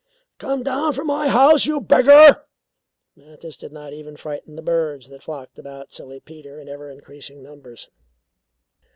"Come down from my house, you beggar!" But this did not even frighten the birds that flocked about Silly Peter in ever increasing numbers.